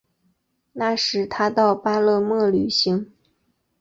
那时他到巴勒莫旅行。